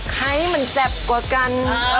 ใครมันแซ่บกว่ากัน